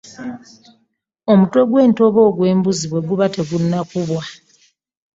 Omutwe gw'ente oba ogw'embuzi bweguba tegunnakubwa .